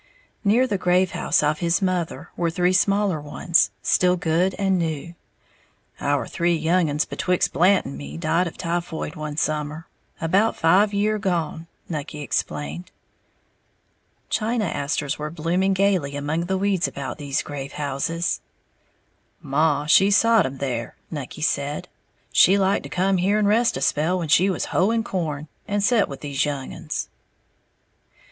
Near the grave house of his mother were three smaller ones, still good and new. "Our three young uns betwixt Blant and me died of typhoid one summer, about five year' gone," Nucky explained. China asters were blossoming gaily among the weeds about these grave houses. "Maw she sot 'em there," Nucky said, "she liked to come here and rest a spell when she was hoeing corn, and set with these young uns."